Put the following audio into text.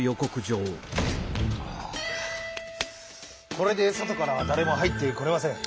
これでそとからはだれも入ってこれません。